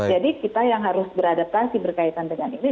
jadi kita yang harus beradaptasi berkaitan dengan ini